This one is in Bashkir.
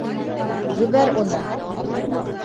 Ебәр уны!..